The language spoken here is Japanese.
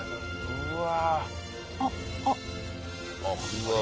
うわ！